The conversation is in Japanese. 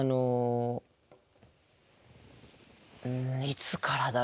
いつからだろう？